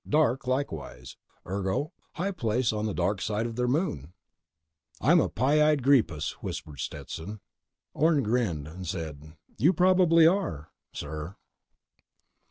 Dark, likewise. Ergo: a high place on the darkside of their moon." "I'm a pie eyed greepus," whispered Stetson. Orne grinned, said: "You probably are ... sir."